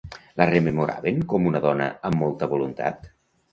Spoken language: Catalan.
La rememoraven com una dona amb molta voluntat?